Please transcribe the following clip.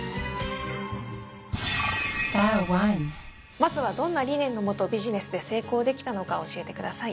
まずはどんな理念の下ビジネスで成功できたのか教えてください。